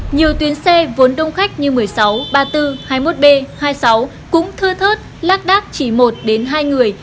nhiều tuyến xe vốn đông khách như một mươi sáu ba mươi bốn hai mươi một b hai mươi sáu cũng thưa thớt lác đác chỉ một hai người